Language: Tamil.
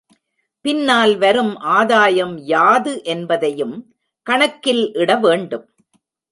பின்னால் வரும் ஆதாயம் யாது என்பதையும் கணக்கில் இட வேண்டும்.